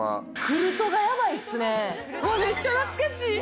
・めっちゃ懐かしい！